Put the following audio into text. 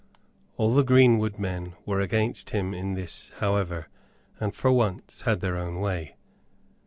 All the greenwood men were against him in this, however, and for once had their own way.